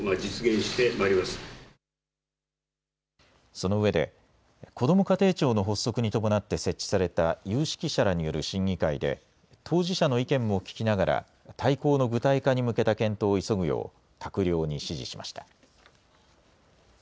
そのうえでこども家庭庁の発足に伴って設置された有識者らによる審議会で当事者の意見も聞きながら大綱の具体化に向けた検討を急ぐよう閣僚に指示しました。